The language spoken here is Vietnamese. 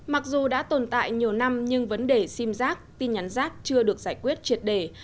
mặc dù đã tồn tại nhiều năm nhưng vấn đề xim giác tin nhắn giác chưa được giải quyết triệt đề